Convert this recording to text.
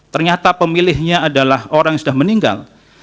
ternyata pemilihnya adalah orang yang sudah meninggal